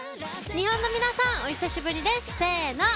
日本の皆さんお久しぶりです。